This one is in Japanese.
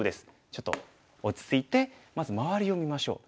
ちょっと落ち着いてまず周りを見ましょう。